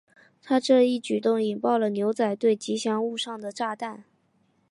他的这一举动引爆了牛仔队吉祥物上的炸弹。